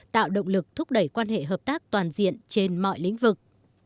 tạo động lực thúc đẩy quan hệ hợp tác toàn diện trên mọi lĩnh vực